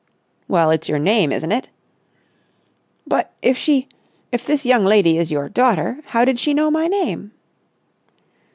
"Well, it's your name, isn't it?" "But, if she—if this young lady is your daughter, how did she know my name?"